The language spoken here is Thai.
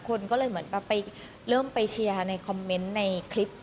คนก็เลยเหมือนไปเริ่มไปเชียร์ประสุทธิ์ในคลิป